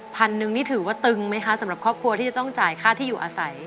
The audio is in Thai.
พันหนึ่งนี่ถือว่าตึงไหมคะสำหรับครอบครัวที่จะต้องจ่ายค่าที่อยู่อาศัย